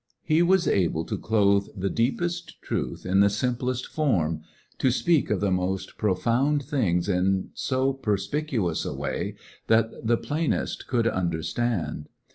He was able to clothe the deepest truth in the simplest form, to speak of the most pro found things in so perspicuous a way that the plainest could understand.